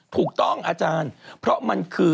ถูกต้องอาจารย์เพราะมันคือ